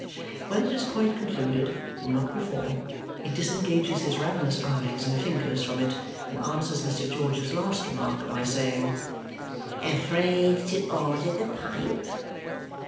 When it is quite concluded, and not before, he disengages his ravenous eyes and fingers from it and answers Mr. George's last remark by saying, "Afraid to order the pipe?